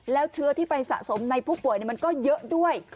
แล้วเชื้อที่ไปสะสมในผู้ป่วยมันก็เยอะด้วย